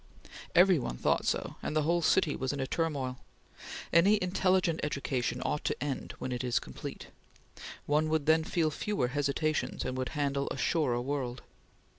Every one thought so, and the whole City was in a turmoil. Any intelligent education ought to end when it is complete. One would then feel fewer hesitations and would handle a surer world.